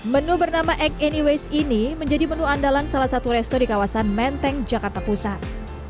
menu bernama egg anyways ini menjadi menu andalan salah satu resto di kawasan menteng jakarta pusat